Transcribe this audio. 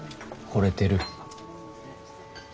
ほれてる？